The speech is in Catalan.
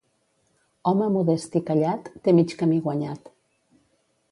Home modest i callat té mig camí guanyat.